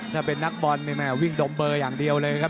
ถ้าเป็นนักบอลไม่มีเหมือนงั้นวิ่งดมเบอร์อย่างเดียวเลยนะครับ